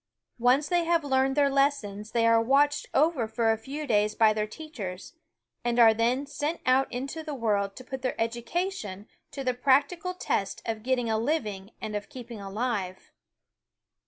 Once they have learned their les sons they are watched over for a few days by their teachers, and are then sent out into the world to put their education to the practical t^st of getting a living and of keeping alive.